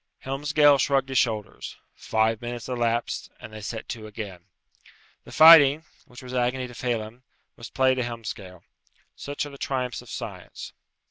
Helmsgail shrugged his shoulders. Five minutes elapsed, and they set to again. The fighting, which was agony to Phelem, was play to Helmsgail. Such are the triumphs of science.